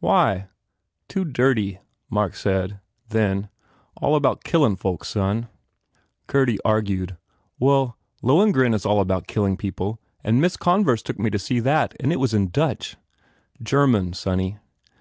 "Why?" "Too dirty," Mark said, then, "All about killin folks, son." Gurdy argued, "Well, Lohengrin s all about killing people and Miss Converse took me to that and it was in Dutch." "German, sonny."